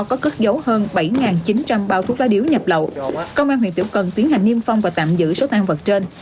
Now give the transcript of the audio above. có cất dấu hơn bảy chín trăm linh bao thuốc lá điếu nhập lậu công an huyện tiểu cần tiến hành niêm phong và tạm giữ số tang vật trên